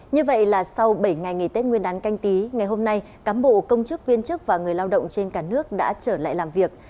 như vậy là sau bảy ngày nghỉ tết nguyên đán canh tí ngày hôm nay cám bộ công chức viên chức và người lao động trên cả nước đã trở lại làm việc